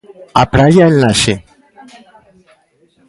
Á praia en Laxe...